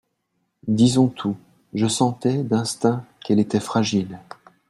Disons tout, je sentais, d'instinct, qu'elle était fragile.